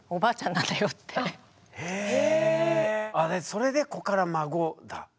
それで「子から孫」だ。